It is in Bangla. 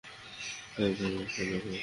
সাবধানে রক্ত নাও, ক্যাম।